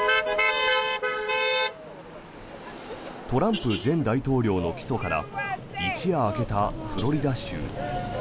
トランプ前大統領の起訴から一夜明けたフロリダ州。